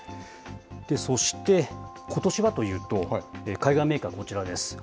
そして、ことしはというと、海外メーカーはこちらです。